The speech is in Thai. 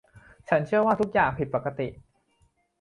ฉันเชื่อว่าทุกอย่างผิดปกติ